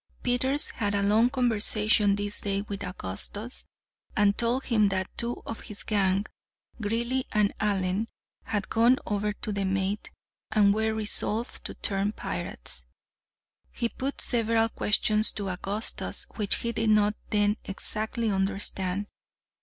Peters had a long conversation this day with Augustus, and told him that two of his gang, Greely and Allen, had gone over to the mate, and were resolved to turn pirates. He put several questions to Augustus which he did not then exactly understand.